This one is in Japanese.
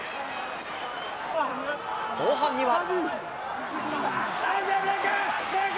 後半には。